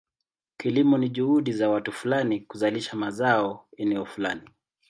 Kilimo ni juhudi za watu fulani kuzalisha mazao eneo fulani.